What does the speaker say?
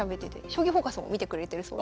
「将棋フォーカス」も見てくれてるそうです。